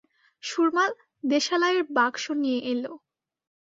সুরমা দেশালাইয়ের বাক্স নিয়ে এল।